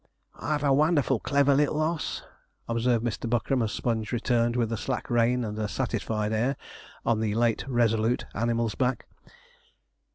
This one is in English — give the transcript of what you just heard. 'I've a wonderful clever little oss,' observed Mr. Buckram, as Sponge returned with a slack rein and a satisfied air on the late resolute animal's back.